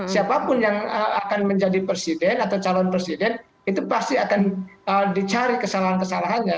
siapapun yang akan menjadi presiden atau calon presiden itu pasti akan dicari kesalahan kesalahannya